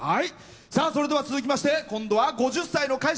さあそれでは続きまして今度は５０歳の会社員です。